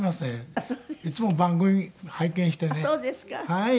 はい。